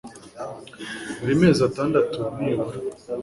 buri mezi atandatu nibura